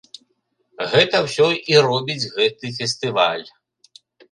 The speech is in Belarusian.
Гэта ўсё і робіць гэты фестываль.